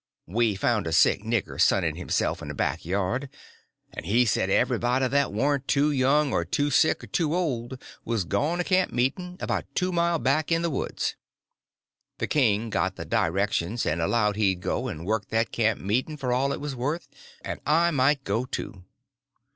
We found a sick nigger sunning himself in a back yard, and he said everybody that warn't too young or too sick or too old was gone to camp meeting, about two mile back in the woods. The king got the directions, and allowed he'd go and work that camp meeting for all it was worth, and I might go, too.